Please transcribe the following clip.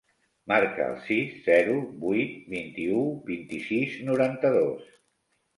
Marca el sis, zero, vuit, vint-i-u, vint-i-sis, noranta-dos.